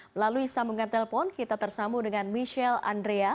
melalui sambungan telpon kita tersambung dengan michelle andrea